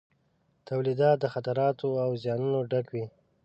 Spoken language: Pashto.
تولیدات د خطراتو او زیانونو ډک وي.